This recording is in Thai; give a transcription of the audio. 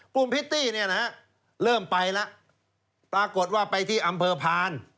กลุ่มพิตตี้เริ่มไปแล้วปรากฏว่าไปที่อำเภอพาน